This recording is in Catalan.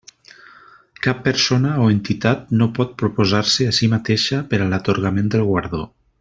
Cap persona o entitat no pot proposar-se a si mateixa per a l'atorgament del guardó.